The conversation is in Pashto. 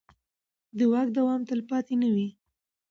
د واک دوام تلپاتې نه وي